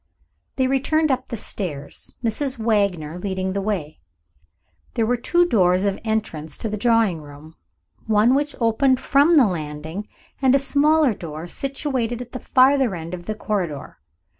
They returned up the stairs, Mrs. Wagner leading the way. There were two doors of entrance to the drawing room one, which opened from the landing, and a smaller door, situated at the farther end of the corridor.